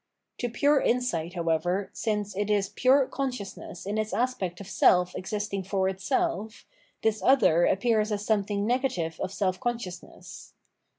To pure insight, however, since it is pure consciousness in its aspect of self existing for itself, this other appears as something negative of self consciousness.